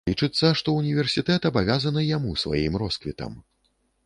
Лічыцца, што ўніверсітэт абавязаны яму сваім росквітам.